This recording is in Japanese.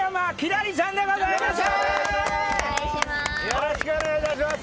よろしくお願いします。